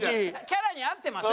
キャラに合ってます？